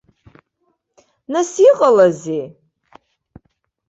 Нас иҟалазеи?